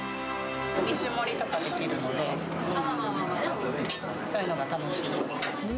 ２種盛りとかできるので、そういうのが楽しいです。